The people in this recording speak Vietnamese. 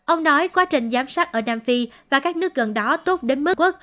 ông nói quá trình giám sát ở nam phi và các nước gần đó tốt đến mức úc